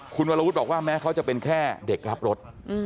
คุณวรวุฒิบอกว่าแม้เขาจะเป็นแค่เด็กรับรถ